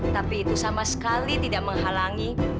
tapi itu sama sekali tidak menghalangi